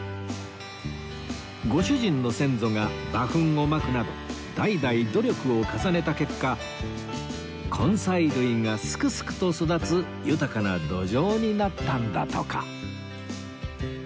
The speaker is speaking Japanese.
ご主人の先祖が馬ふんをまくなど代々努力を重ねた結果根菜類がすくすくと育つ豊かな土壌になったんだとか